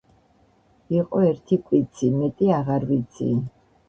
იყო ერთი კვიცი მეტი აღარ ვიცი